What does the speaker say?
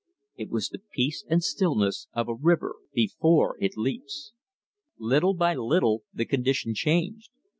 It was the peace and stillness of a river before it leaps. Little by little the condition changed.